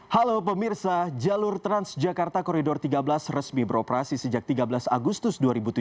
halo pemirsa jalur transjakarta koridor tiga belas resmi beroperasi sejak tiga belas agustus dua ribu tujuh belas